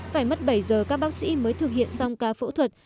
phải mất bảy giờ các bác sĩ mới thực hiện xong ca phẫu thuật